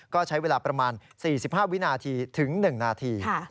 ก็ใช้เวลาประมาณ๔๕วินาทีถึง๑นาที